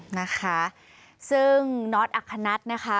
นะคะซึ่งน็อตอัคคณัฐนะคะ